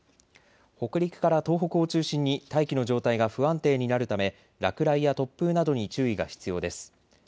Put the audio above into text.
北陸から東北を中心に大気の状態が不安定になるため落雷や突風などに注意が必要です。